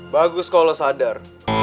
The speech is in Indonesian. bagus kalau sadar